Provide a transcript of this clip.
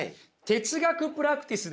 哲学プラクティス？